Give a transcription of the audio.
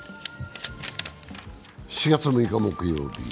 ４月６日木曜日。